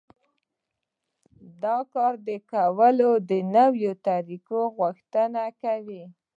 دا د کار کولو د نويو طريقو غوښتنه کوي.